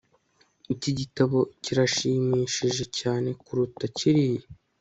Iki gitabo kirashimishije cyane kuruta kiriya